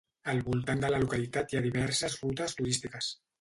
Al voltant de la localitat hi ha diverses rutes turístiques.